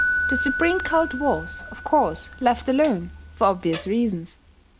The supreme cult was, of course, left alone, for obvious reasons.